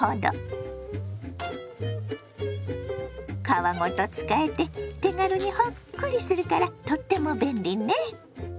皮ごと使えて手軽にほっくりするからとっても便利ね。